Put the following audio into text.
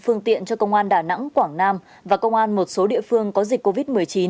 phương tiện cho công an đà nẵng quảng nam và công an một số địa phương có dịch covid một mươi chín